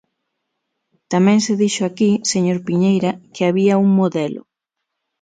Tamén se dixo aquí, señor Piñeira, que había un modelo.